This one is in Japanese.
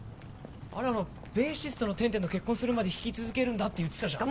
あれあのベーシストのｔｅｎｔｅｎと結婚するまで弾き続けるんだって言ってたじゃん